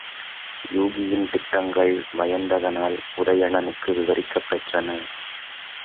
யூகியின் திட்டங்கள் வயந்தகனால் உதயணனுக்கு விவரிக்கப் பெற்றன.